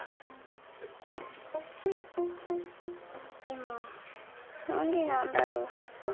今何時なんだろう？